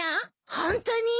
ホントに？